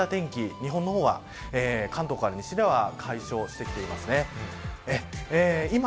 日本は関東から西では解消してきています。